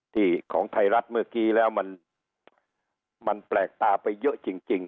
ของไทยรัฐเมื่อกี้แล้วมันแปลกตาไปเยอะจริง